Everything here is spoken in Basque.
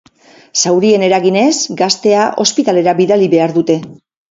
Zaurien eraginez, gaztea ospitalera bidali behar dute.